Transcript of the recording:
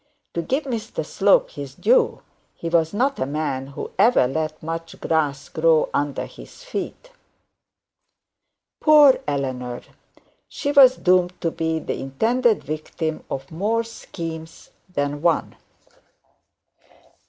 To give Mr Slope his due, he was not a man who ever let much grass grow under his feet. Poor Eleanor! She was doomed to be the intended victim of more schemes than one.